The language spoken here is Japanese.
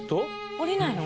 下りないの？